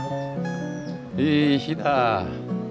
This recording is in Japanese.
いい日だ！